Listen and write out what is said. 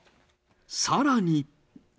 さらに。